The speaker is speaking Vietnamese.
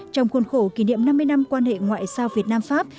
trong khuôn khổ kỷ niệm năm mươi năm quan hệ ngoại giao việt nam pháp